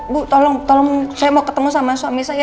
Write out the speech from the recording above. bu tolong tolong saya mau ketemu sama suami saya